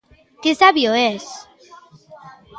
Que sabio es.